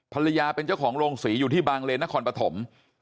ภรรยาเป็นเจ้าของโรงศรีอยู่ที่บางเลนนครปฐม